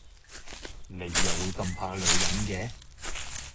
你又會咁怕女人嘅